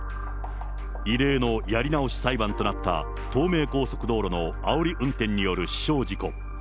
異例のやり直し裁判となった、東名高速道路のあおり運転による死傷事故。